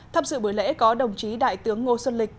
tham dự buổi lễ có đồng chí đại tướng ngô xuân lịch